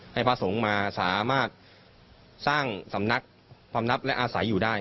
พระสงฆ์มาสามารถสร้างสำนักความนับและอาศัยอยู่ได้